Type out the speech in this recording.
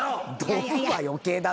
ドブは余計だろ。